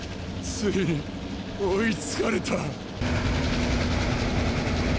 ついに追いつかれた。